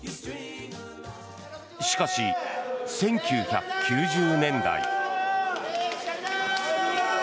しかし、１９９０年代。